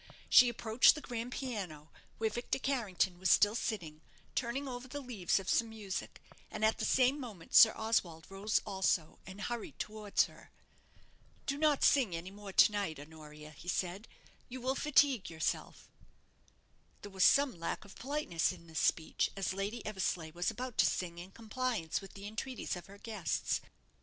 She approached the grand piano, where Victor Carrington was still sitting, turning over the leaves of some music, and at the same moment Sir Oswald rose also, and hurried towards her. "Do not sing any more to night, Honoria," he said; "you will fatigue yourself." There was some lack of politeness in this speech, as Lady Eversleigh was about to sing in compliance with the entreaties of her guests.